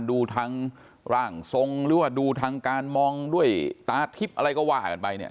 ดูทางร่างทรงหรือว่าดูทางการมองด้วยตาทิพย์อะไรก็ว่ากันไปเนี่ย